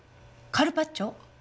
カルパッチョ？